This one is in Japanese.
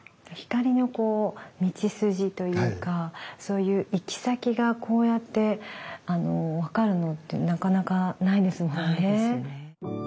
光の道筋というかそういう行き先がこうやって分かるのってなかなかないですもんね。